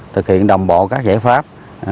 thực hiện đồng bộ các giải pháp